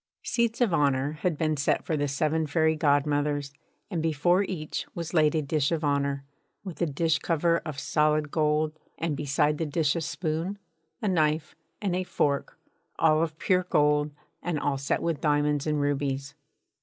Seats of honour had been set for the seven fairy godmothers, and before each was laid a dish of honour, with a dish cover of solid gold, and beside the dish a spoon, a knife, and a fork, all of pure gold and all set with diamonds and rubies.